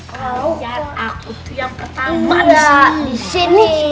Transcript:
kalau aku tuh yang pertama disini